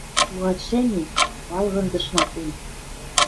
Луатшӹм и, валгынзышна тӹнь!